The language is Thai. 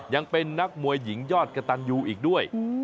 ยังเป็นนักมวยหญิงยอดกระตันยูอีกด้วย